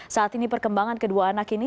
saat ini perkembangan kedua anak ini